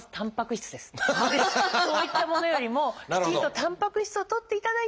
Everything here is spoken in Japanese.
なのでそういったものよりもきちんとたんぱく質をとっていただいて。